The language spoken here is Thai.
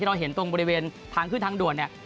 เราเห็นตรงบริเวณทางขึ้นทางด่วนเนี่ย